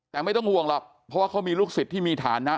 แต่ไม่ต้องห่วงหรอกเพราะว่าเขามีลูกศิษย์ที่มีฐานะ